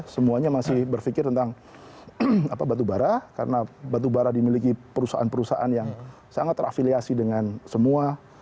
semuanya masih berpikir tentang batubara karena batubara dimiliki perusahaan perusahaan yang sangat terafiliasi dengan semua